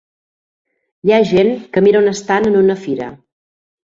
hi ha gent que mira un estand en una fira.